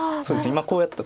今こうやった。